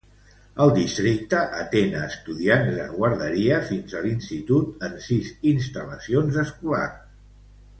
El districte atén a estudiants de guarderia fins a l'institut en sis instal·lacions escolars.